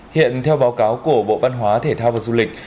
hiện theo báo cáo của bộ văn hóa thể thao và du lịch